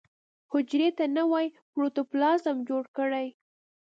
حجرې ته نوی پروتوپلازم جوړ کړي.